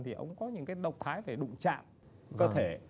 thì ông có những cái động thái về đụng chạm cơ thể